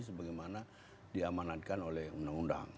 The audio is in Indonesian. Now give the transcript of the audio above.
sebagai mana diamanatkan oleh undang undang